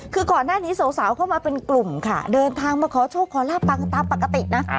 คือก่อนหน้านี้สาวเข้ามาเป็นกลุ่มค่ะเดินทางมาขอโชคขอลาบปังตามปกตินะ